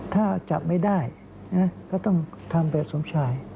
ถ้าจับไม่ได้ก็ต้องทำแบบสมชาย